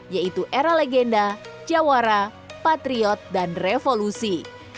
yaitu era legenda jawara patriot dan revolusi